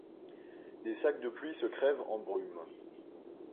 Des sacs de pluie se crèvent en brume.